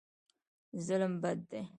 ظلم بد دی.